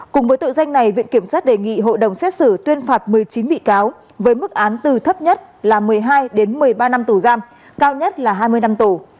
cùng với tội danh này viện kiểm sát đề nghị hội đồng xét xử tuyên phạt một mươi chín bị cáo với mức án từ thấp nhất là một mươi hai đến một mươi ba năm tù giam cao nhất là hai mươi năm tù